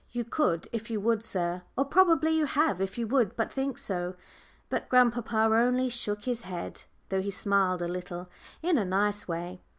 "You could if you would, sir, or probably you have if you would but think so." But grandpapa only shook his head, though he smiled a little in a nice way.